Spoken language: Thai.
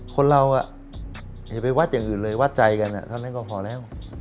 คนเราอะไปวัดอย่างอื่นเลยว็อตใจกันก็พอแล้ว